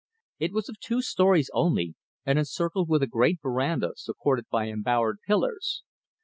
It was of two stories only, and encircled with a great veranda supported by embowered pillars.